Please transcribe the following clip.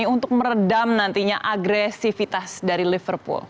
untuk meredam nantinya agresivitas dari liverpool